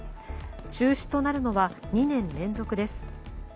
中止となるのは２年連続です。